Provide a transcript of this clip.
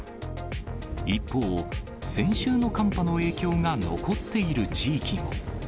一方、先週の寒波の影響が残っている地域も。